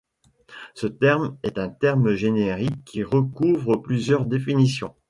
Ce terme est un terme générique qui recouvre plusieurs définitions.